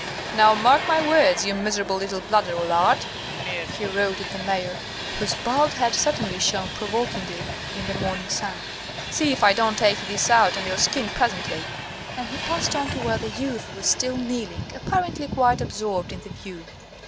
"Now, mark my words, you miserable little bladder o' lard," he roared at the Mayor (whose bald head certainly shone provokingly in the morning sun), "see if I don't take this out of your skin presently!" And he passed on to where the youth was still kneeling, apparently quite absorbed in the view.